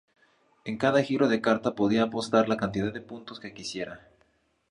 En cada giro de carta podía apostar la cantidad de puntos que quisiera.